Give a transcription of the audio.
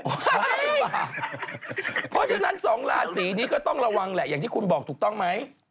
เพราะฉะนั้นสองราศีนี้ก็ต้องระวังแหละอย่างที่คุณบอกถูกต้องไหม